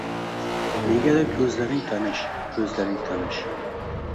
– Negadir ko‘zlaring taniiish… Ko‘zlaring taniiish…